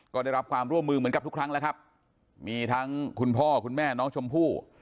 ก็ได้รับความร่วมมือเหมือนกับทุกครั้งแล้วครับมีทั้งคุณพ่อคุณแม่น้องชมพู่